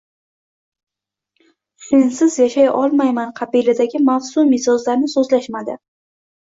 Sensiz yashay olmayman qabilidagi mavsumiy so‘zlarni so‘zlashmadi.